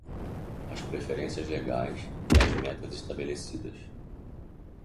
as preferências legais e as metas estabelecidas